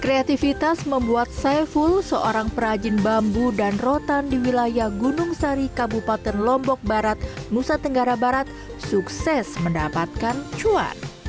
kreativitas membuat saiful seorang perajin bambu dan rotan di wilayah gunung sari kabupaten lombok barat nusa tenggara barat sukses mendapatkan cuan